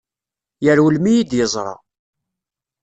Yerwel mi yi-d-yeẓra.